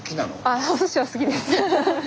ああおすしは好きです。